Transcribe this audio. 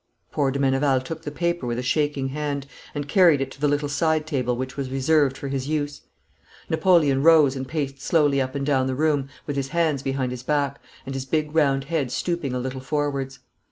Poor de Meneval took the paper with a shaking hand, and carried it to the little side table which was reserved for his use. Napoleon rose and paced slowly up and down the room with his hands behind his back, and his big round head stooping a little forwards.